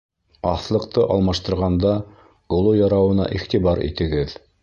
Аҫлыҡты алмаштырғанда оло ярауына иғтибар итегеҙ.